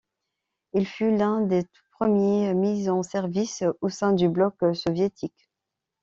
Il fut l'un des tout-premiers mis en service au sein du bloc soviétique.